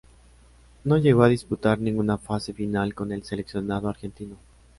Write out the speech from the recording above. No llegó a disputar ninguna fase final con el seleccionado argentino.